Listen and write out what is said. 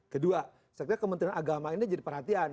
kedua saya kira kementerian agama ini jadi perhatian